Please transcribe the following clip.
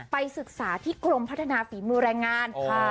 ไปศึกษาที่กรมพัฒนาฝีมือแรงงาน